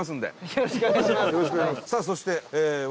よろしくお願いします。